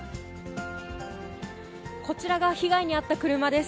こちらが被害に遭った車です。